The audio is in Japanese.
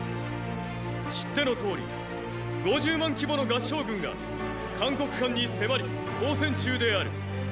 知ってのとおり五十万規模の合従軍が函谷関に迫り交戦中である。